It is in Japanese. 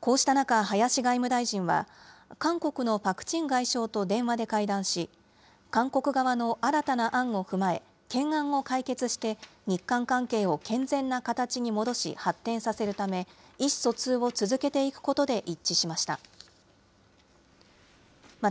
こうした中、林外務大臣は、韓国のパク・チン外相と電話で会談し、韓国側の新たな案を踏まえ、懸案を解決して、日韓関係を健全な形に戻し発展させるため、意思疎通を続けていくことで一致しました。